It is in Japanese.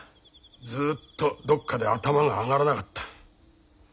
ずっとどこかで頭が上がらなかった。